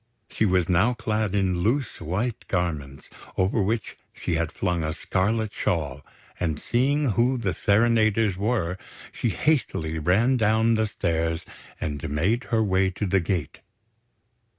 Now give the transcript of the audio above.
She was now clad in loose white garments, over which she had flung a scarlet shawl; and seeing who the serenaders were, she hastily ran down the stairs and made her way to the gate.